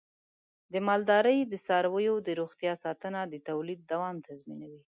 د مالدارۍ د څارویو د روغتیا ساتنه د تولید دوام تضمینوي.